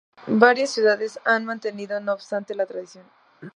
Varias ciudades han mantenido no obstante la tradición.